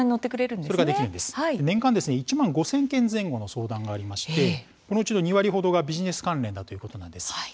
年間１万５０００件前後の相談がありましてこのうちの２割程がビジネス関連だということです。